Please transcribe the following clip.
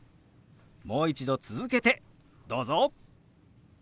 もう一度続けてどうぞ！